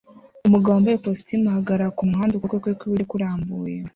Umugabo wambaye ikositimu ahagarara kumuhanda ukuboko kwe kw'iburyo kurambuye